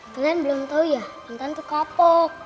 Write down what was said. tuhan belum tahu ya intan tuh kapok